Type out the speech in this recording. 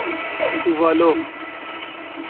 تووالو